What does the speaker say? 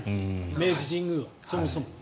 明治神宮はそもそも。